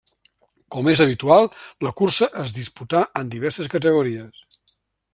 Com és habitual, la cursa es disputà en diverses categories.